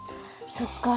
そっか。